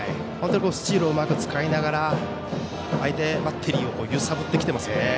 スチールをうまく使いながら相手バッテリーを揺さぶってきてますね。